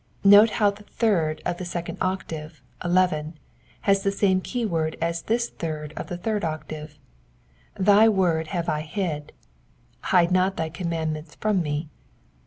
Note how the third of the second octave (11) has the same keyword as this third of the third octave: Thy word have I hid," Hide not thy commandments from me."